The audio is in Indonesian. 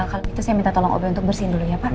kalau itu saya minta tolong obe untuk bersihin dulu ya pak